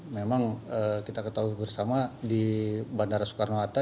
memang kita ketahui bersama di bandara soekarno hatta